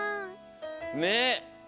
ねっ。